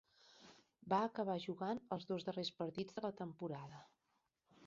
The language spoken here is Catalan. Va acabar jugant els dos darrers partits de la temporada.